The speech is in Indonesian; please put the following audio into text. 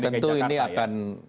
di jakarta ya tentu ini akan